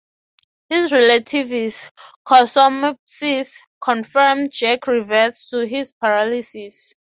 His relativist "cosmopsis" confirmed, Jake reverts to his paralysis.